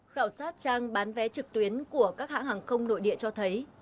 khảo sát trang bán vé trực tuyến của các hãng hàng không nội địa cho thấy